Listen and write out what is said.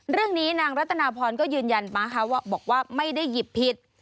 เรื่องนี้นางรัตนพรก็ยืนยันมาว่าไม่ได้หยิบผิด